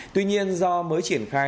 tuy nhiên do mới triển khai